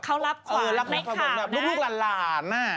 เขารับขวัญไม่ขาดนะลูกหลานน่ะ